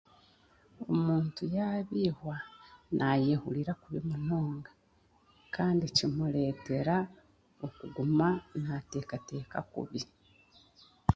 Omuntu yabeihwa nayehuriira kubi munonga kandi kimuretera okuguma nateekateeka kubi.